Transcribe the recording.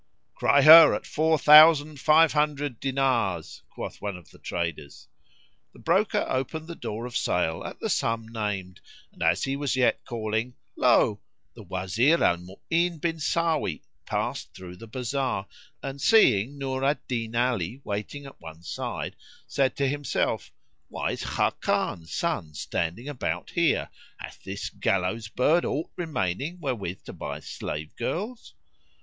"Cry her at four thousand five hundred dinars," quoth one of the traders. The broker opened the door of sale at the sum named and, as he was yet calling, lo! the Wazir Al Mu'ín bin Sáwí passed through the bazar and, seeing Nur al Din Ali waiting at one side, said to himself, "Why is Khákán's son[FN#33] standing about here? Hath this gallows bird aught remaining wherewith to buy slave girls?"